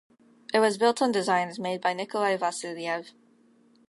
It was built on designs made by Nikolai Vasilyev.